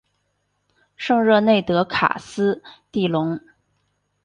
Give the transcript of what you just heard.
圣热内德卡斯蒂隆。